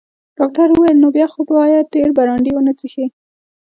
ډاکټر وویل: نو بیا خو باید ډیر برانډي ونه څښې.